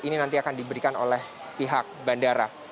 ini nanti akan diberikan oleh pihak bandara